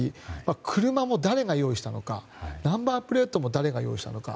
車も誰が用意したのかナンバープレートも誰が用意したのか。